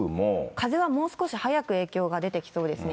風はもう少し早く影響が出てきそうですね。